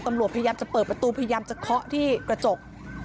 พยายามจะเปิดประตูพยายามจะเคาะที่กระจก